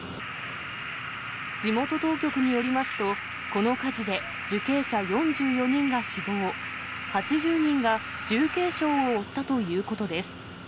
地元当局によりますと、この火事で受刑者４４人が死亡、８０人が重軽傷を負ったということです。